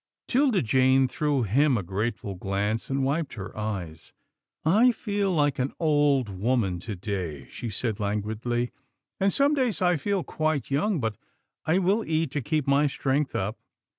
'Tilda Jane threw him a grateful glance, and wiped her eyes. " I feel Hke an old woman today," she said languidly, " and some days I feel quite young, but I will eat to keep my strength up.